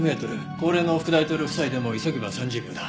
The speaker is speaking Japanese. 高齢の副大統領夫妻でも急げば３０秒だ。